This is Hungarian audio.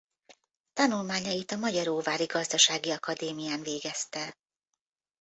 Tanulmányait a magyaróvári Gazdasági Akadémián végezte.